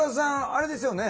あれですよね？